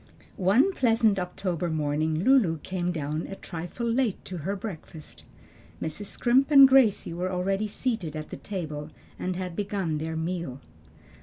One pleasant October morning Lulu came down a trifle late to her breakfast. Mrs. Scrimp and Gracie were already seated at the table and had began their meal.